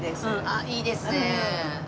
あっいいですね。